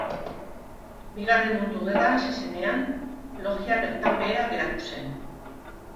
Bigarren Mundu Gerra hasi zenean, logia bertan behera geratu zen.